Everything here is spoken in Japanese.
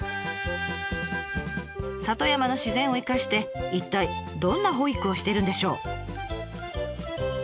里山の自然を生かして一体どんな保育をしてるんでしょう？